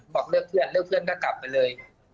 บอกเลือกเพื่อนเลือกเพื่อนก็กลับไปเลย